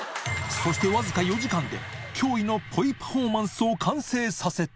磴修靴わずか４時間で式劼ポイパフォーマンスを完成させた）